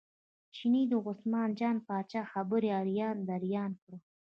چیني د عثمان جان پاچا خبرې اریان دریان کړ.